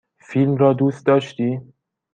فیلم را دوست داشتی؟